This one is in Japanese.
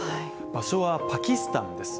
場所はパキスタンです。